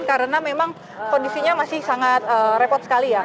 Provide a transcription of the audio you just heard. karena memang kondisinya masih sangat repot sekali ya